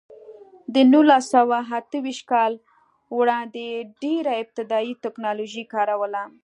د نولس سوه اته ویشت کال وړاندې ډېره ابتدايي ټکنالوژي کار وله.